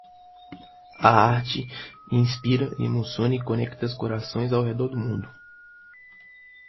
A arte inspira, emociona e conecta corações ao redor do mundo.